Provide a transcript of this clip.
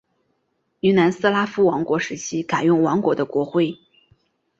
于南斯拉夫王国时期改用王国的国徽。